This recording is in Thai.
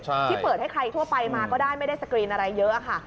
ที่เปิดให้ใครทั่วไปมาก็ได้ไม่ได้สกรีนอะไรเยอะค่ะ